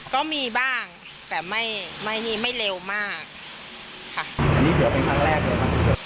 ก็มีบ้างแต่ไม่ไม่ไม่เร็วมากค่ะนี่เผื่อเป็นครั้งแรกเลย